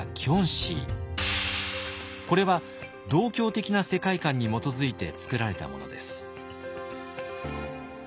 これは道教的な世界観に基づいて作られたものです。